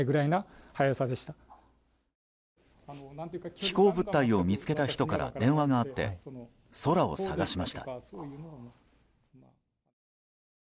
飛行物体を見つけた人から電話があって、空を探しました。